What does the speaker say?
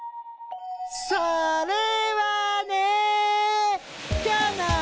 それはね。